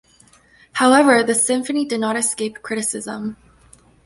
However, the symphony did not escape criticism.